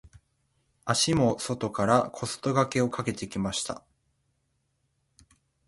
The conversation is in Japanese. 足も外から小外掛けをかけてきました。